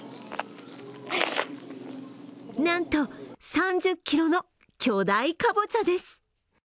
なんと、３０ｋｇの巨大かぼちゃです